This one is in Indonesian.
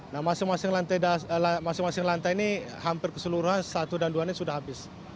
nah masing masing lantai ini hampir keseluruhan satu dan dua ini sudah habis